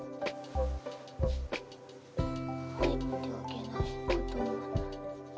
入ってあげないこともない。